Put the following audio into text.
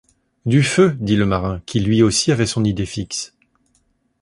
Du feu, dit le marin, qui, lui aussi, avait son idée fixe